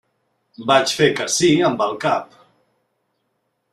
Vaig fer que sí amb el cap.